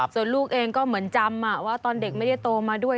ส่วนลูกเองก็เหมือนจำว่าตอนเด็กไม่ได้โตมาด้วย